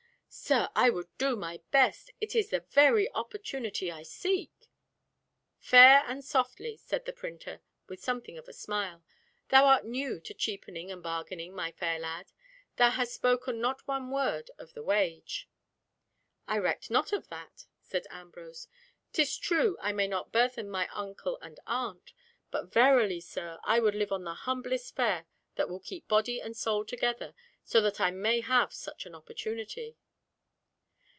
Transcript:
Sir, I would do my best! It is the very opportunity I seek." "Fair and softly," said the printer with something of a smile. "Thou art new to cheapening and bargaining, my fair lad. Thou hast spoken not one word of the wage." "I recked not of that," said Ambrose. "'Tis true, I may not burthen mine uncle and aunt, but verily, sir, I would live on the humblest fare that will keep body and soul together so that I may have such an opportunity."